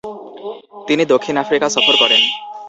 তিনি দক্ষিণ আফ্রিকা সফর করেন।